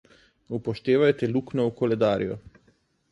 Upoštevajte luknjo v koledarju.